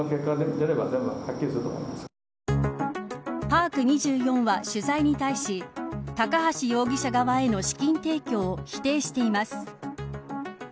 パーク２４は、取材に対し高橋容疑者側への資金提供を否定しています。